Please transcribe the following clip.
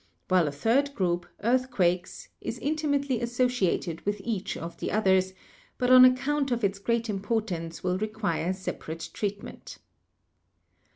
while a third group, Earthquakes, is intimately associated with each of the others, but on account of its great im portance will require separate treatment.